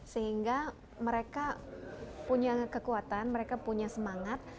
sehingga mereka punya kekuatan mereka punya semangat